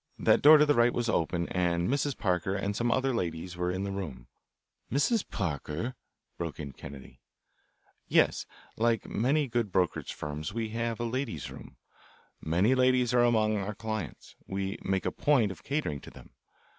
That door to the right was open, and Mrs. Parker and some other ladies were in the room " "Mrs. Parker?" broke in Kennedy. "Yes: Like a good many brokerage firms we have a ladies' room. Many ladies are among our clients. We make a point of catering to them.